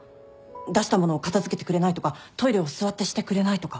出した物を片付けてくれないとかトイレを座ってしてくれないとか。